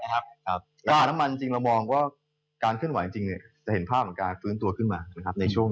ราคาน้ำมันเรามองการเข้าไปจะเห็นภาพการฟื้นตัวขึ้นมา